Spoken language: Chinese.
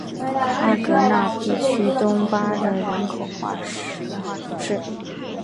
阿戈讷地区东巴勒人口变化图示